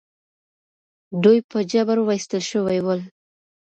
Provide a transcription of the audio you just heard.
دوی په جبر ویستل شوي ول.